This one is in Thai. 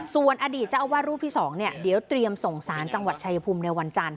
ส่วนอดีตเจ้าอาวาสรูปที่๒เดี๋ยวเตรียมส่งสารจังหวัดชายภูมิในวันจันท